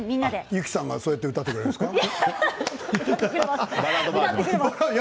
ＹＵ−ＫＩさんがそうやって歌ってくれるんですか。